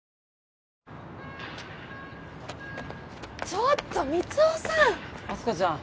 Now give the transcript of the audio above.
ちょっと満男さん